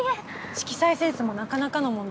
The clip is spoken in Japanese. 色彩センスもなかなかのもんだな。